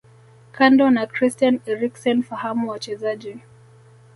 Kando na Christian Eriksen fahamu wachezaji